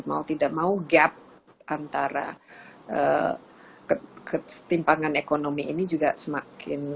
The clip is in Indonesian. mau tidak mau gap antara ketimpangan ekonomi ini juga semakin